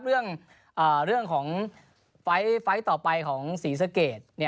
เรื่องของไฟล์ต่อไปของศรีสะเกด